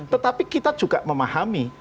tetapi kita juga memahami